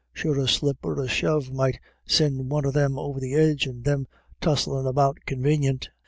Sure a slip or a shove might sind one of them over the edge, and they tussellin' about convanient.